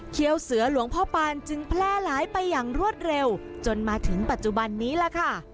เสือหลวงพ่อปานจึงแพร่หลายไปอย่างรวดเร็วจนมาถึงปัจจุบันนี้ล่ะค่ะ